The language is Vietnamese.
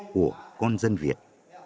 của con dân việt